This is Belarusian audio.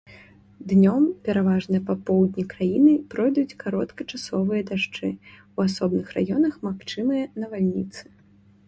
Днём пераважна па поўдні краіны пройдуць кароткачасовыя дажджы, у асобных раёнах магчымыя навальніцы.